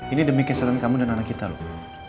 ini demi kesehatan kamu dan anak kita loh